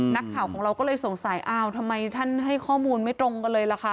นักข่าวของเราก็เลยสงสัยอ้าวทำไมท่านให้ข้อมูลไม่ตรงกันเลยล่ะคะ